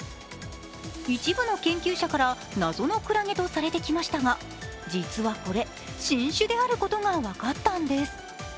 一部の研究者から謎のクラゲとされてきましたが実はこれ、新種であることが分かったんです。